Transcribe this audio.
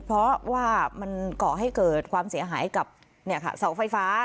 เพราะว่ามันก่อให้เกิดความเสียหายกับเสาไฟฟ้า